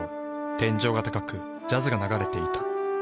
天井が高くジャズが流れていた。